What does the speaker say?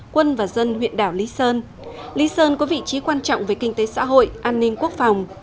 quân và dân huyện đảo lý sơn lý sơn có vị trí quan trọng về kinh tế xã hội an ninh quốc phòng